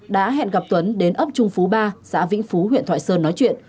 đã hẹn gặp tuấn đến ấp trung phú ba xã vĩnh phú huyện thoại sơn nói chuyện